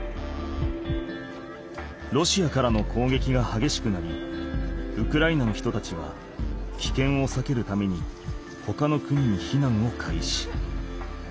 ロシアからの攻撃がはげしくなりウクライナの人たちはきけんをさけるためにほかの国に避難を開始。